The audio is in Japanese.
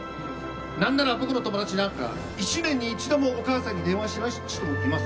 何なら僕の友達なんかは１年に１回もお母さんに電話しない人もいます。